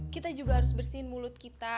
kita juga harus bersihin mulut kita